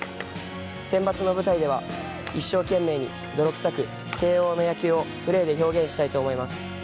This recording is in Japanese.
センバツの舞台では一生懸命に泥臭く慶応の野球をプレーで表現したいと思います。